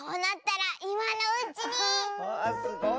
わあすごいッス！